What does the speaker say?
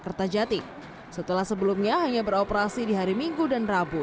kertajati setelah sebelumnya hanya beroperasi di hari minggu dan rabu